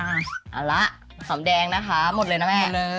เอาละฝ่อมแดงนะละค่าหมดเลยนะแม่หมดเลย